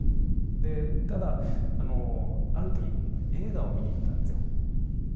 でただあのある時映画を見に行ったんですよ。